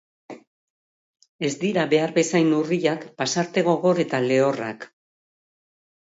Ez dira behar bezain urriak pasarte gogor eta lehorrak.